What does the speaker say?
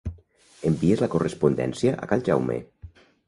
Envies la correspondència a cal Jaume.